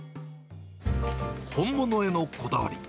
本物へのこだわり。